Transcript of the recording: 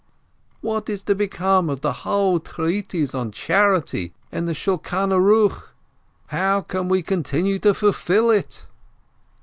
What is to become of the whole treatise on charity in the Shulchan Aruch ? How can we continue to fulfil it